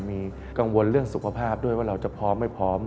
มีกังวลเรื่องสุขภาพด้วยว่าเราจะพร้อมไม่พร้อม